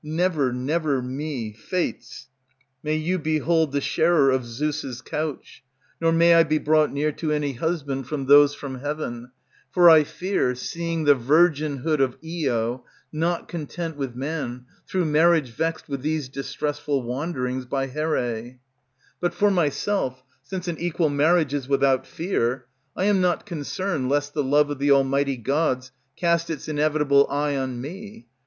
Never, never me Fates ... May you behold the sharer of Zeus' couch. Nor may I be brought near to any husband among those from heaven, For I fear, seeing the virginhood of Io, Not content with man, through marriage vexed With these distressful wanderings by Here. But for myself, since an equal marriage is without fear, I am not concerned lest the love of the almighty Gods cast its inevitable eye on me.